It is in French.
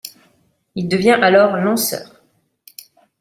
Il devient alors lanceur.